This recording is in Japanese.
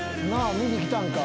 見に来たんか。